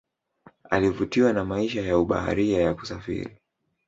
Alivutiwa na maisha ya ubaharia ya kusafiri